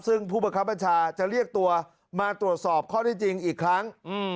ซึ่งผู้บังคับบัญชาจะเรียกตัวมาตรวจสอบข้อได้จริงอีกครั้ง